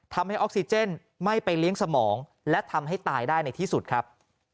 ทำให้ออกซิเจนไม่ไปเลี้ยงสมองและทำให้ตายได้ในที่สุดครับ